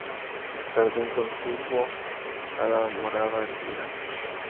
Jardín contiguo a la morada de Elvira.